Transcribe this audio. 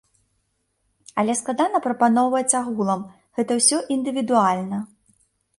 Але складана параўноўваць агулам, гэта ўсё індывідуальна.